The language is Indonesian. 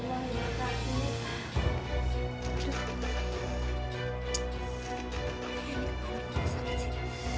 kenapa aku sakit sih